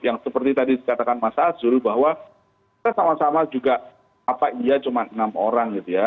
yang seperti tadi dikatakan mas azul bahwa kita sama sama juga apa iya cuma enam orang gitu ya